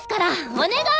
お願い！